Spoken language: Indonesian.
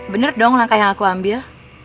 bener dong langkah yang aku ambil